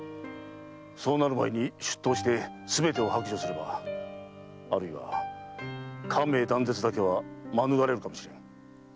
そうなる前に出頭してすべてを白状すればあるいは家名断絶だけは免れるかもしれん。